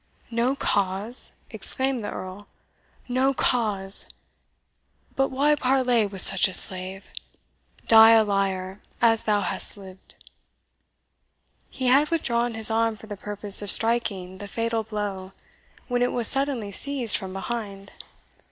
"No cause!" exclaimed the Earl, "no cause! but why parley with such a slave? Die a liar, as thou hast lived!" He had withdrawn his arm for the purpose of striking the fatal blow, when it was suddenly seized from behind.